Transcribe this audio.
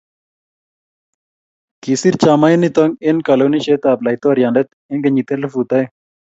kisir chamait nito eng' kalwenisietab laitoriande eng' kenyit elfut oeng'